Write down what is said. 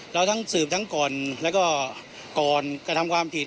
เราทั้งสืบทั้งก่อนแล้วก็ก่อนกระทำความผิด